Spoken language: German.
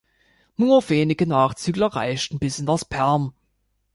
Nur wenige Nachzügler reichten bis in das Perm.